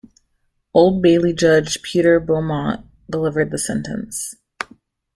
Old Bailey judge Peter Beaumont delivered the sentence.